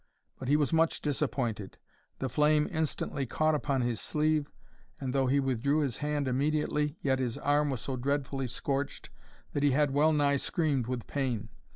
But he was much disappointed. The flame instantly caught upon his sleeve, and though he withdrew his hand immediately, yet his arm was so dreadfully scorched, that he had well nigh screamed with pain.